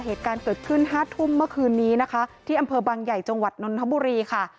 เหตุการณ์เกิดขึ้นห้าทุ่มเมื่อคืนนี้นะคะที่อำเภอบางใหญ่จังหวัดนนทบุรีค่ะ